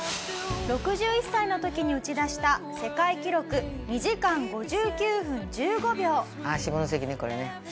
「６１歳の時に打ち出した世界記録２時間５９分１５秒」「ああ下関ねこれね」